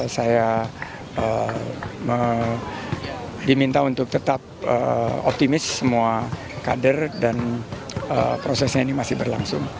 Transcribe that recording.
saya diminta untuk tetap optimis semua kader dan prosesnya ini masih berlangsung